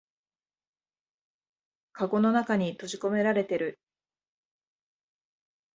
かごの中に閉じこめられてる